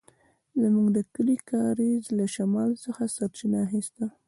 زموږ د کلي کاریز له شمال څخه سرچينه اخيسته.